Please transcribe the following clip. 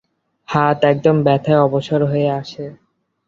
হাত একদম ব্যথায় অবশ হয়ে আসে।